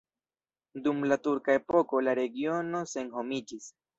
Dum la turka epoko la regiono senhomiĝis.